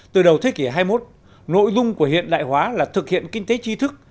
từ đầu thế kỷ hai mươi một nội dung của hiện đại hóa là thực hiện kinh tế chi thức